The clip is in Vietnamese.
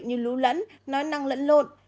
như lũ lẫn nói năng lẫn lộn